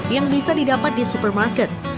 yang bisa didapat di supermarket